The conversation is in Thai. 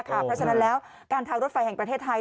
เพราะฉะนั้นแล้วการทางรถไฟแห่งประเทศไทย